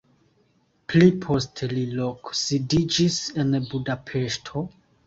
Pli poste li loksidiĝis en Budapeŝto.